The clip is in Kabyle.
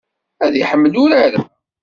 Ad iḥemmel urar-a.